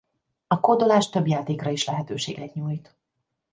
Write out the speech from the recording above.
A kódolás több játékra is lehetőséget nyújt.